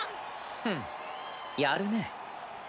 フンやるね。